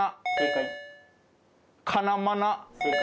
正解。